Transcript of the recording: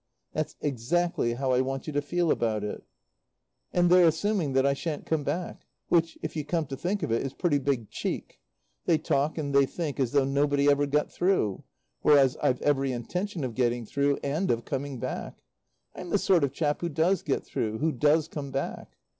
"That's exactly how I want you to feel about it." "And they're assuming that I shan't come back. Which, if you come to think of it, is pretty big cheek. They talk, and they think, as though nobody ever got through. Whereas I've every intention of getting through and of coming back. I'm the sort of chap who does get through, who does come back."